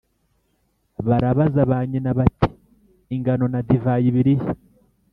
Barabaza ba nyina, bati «Ingano na divayi biri he?»